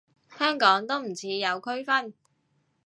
香港都唔似有區分